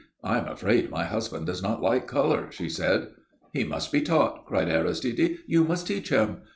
"I'm afraid my husband does not like colour," she said. "He must be taught," cried Aristide. "You must teach him.